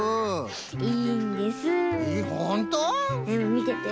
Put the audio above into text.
みてて。